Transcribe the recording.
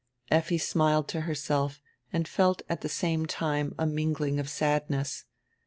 Effi smiled to herself and felt at the same time a mingling of sadness.